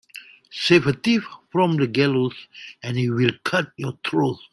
Save a thief from the gallows and he will cut your throat.